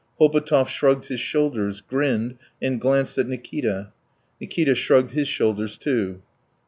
Hobotov shrugged his shoulders, grinned, and glanced at Nikita. Nikita shrugged his shoulders too.